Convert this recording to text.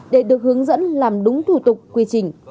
để được hướng dẫn làm đúng thủ tục quy trình